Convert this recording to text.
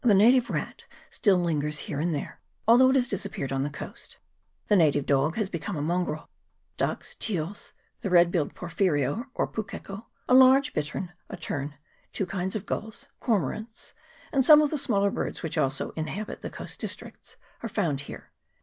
native rat still lingers here and there, although it has disappeared on the coast; the native dog has become a mongrel ; ducks, teals, the red billed porphyrio or pukeko, a large bittern, a tern, two kinds of gulls, cormorants, and some of the smaller birds which also inhabit the coast districts, are found here.